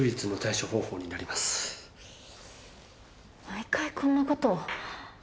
毎回こんなことを？